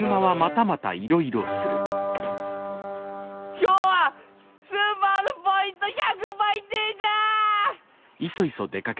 今日はスーパーのポイント１００倍デーだ！